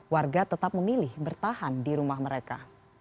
warga tetap memilih bertahan di rumah mereka